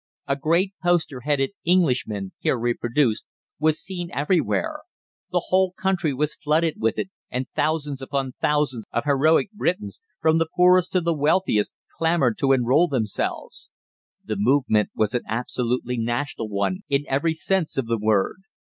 A great poster headed "Englishmen," here reproduced, was seen everywhere. The whole country was flooded with it, and thousands upon thousands of heroic Britons, from the poorest to the wealthiest, clamoured to enrol themselves. The movement was an absolutely national one in every sense of the word.